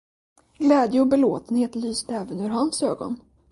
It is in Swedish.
Glädje och belåtenhet lyste även ut ur hans ögon.